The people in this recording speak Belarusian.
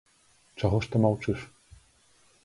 Чаго ж ты маўчыш?